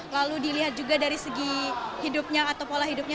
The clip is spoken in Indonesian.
lalu dilihat juga dari segi hidupnya atau pola hidupnya